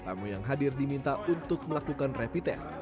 tamu yang hadir diminta untuk melakukan rapid test